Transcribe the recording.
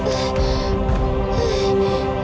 kamu tak perlu ikut